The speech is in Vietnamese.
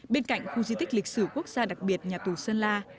bên cạnh khu di tích lịch sử quốc gia đặc biệt nhà tù sơn la